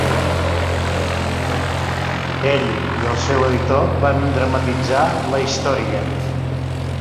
Ell i el seu editor van dramatitzar la història.